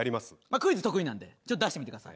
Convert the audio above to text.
クイズ得意なんでちょっと出してみてください。